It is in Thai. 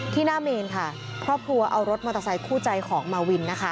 หน้าเมนค่ะครอบครัวเอารถมอเตอร์ไซคู่ใจของมาวินนะคะ